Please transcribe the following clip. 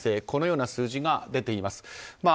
このような数字が出ています。